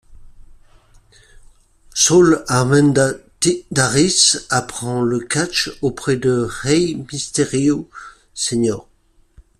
Saúl Armendáriz apprend le catch auprès de Rey Misterio, Sr..